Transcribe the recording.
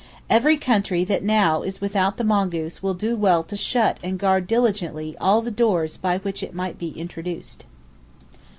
Every country that now is without the mongoose will do well to shut and guard diligently all the doors by which it might be introduced.